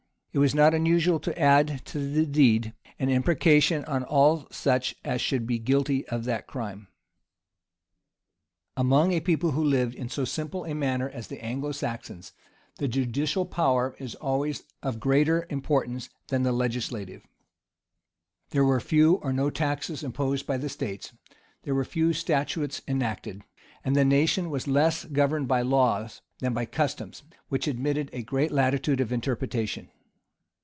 It was not unusual to add to the deed an imprecation on all such as should be guilty of that crime.[*] [* Hickes, Dissert, epist.] Among a people who lived in so simple a manner as the Anglo Saxons, the judicial power is always of greater importance than the legislative. There were few or no taxes imposed by the states; there were few statutes enacted; and the nation was less governed by laws, than by customs, which admitted a great latitude of interpretation.